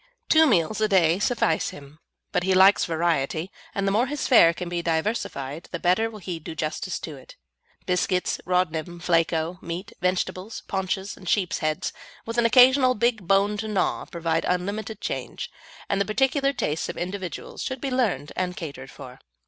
Two meals a day suffice him, but he likes variety, and the more his fare can be diversified the better will he do justice to it. Biscuits, Rodnim, Flako, meat, vegetables, paunches, and sheep's heads, with an occasional big bone to gnaw, provide unlimited change, and the particular tastes of individuals should be learned and catered for.